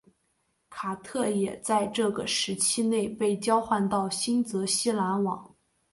卡特也在这个时期内被交换到新泽西篮网。